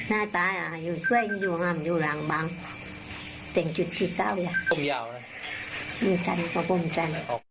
ท้ายปากอยู่ซวยงี้อยู่ห่างบ้างเต้นจุนชีตี้เอาอย่างไม่ยาวนะ